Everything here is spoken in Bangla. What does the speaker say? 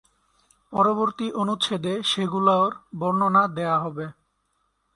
পরবর্তী অনুচ্ছেদে সেগুলোর বর্ণনা দেয়া হবে।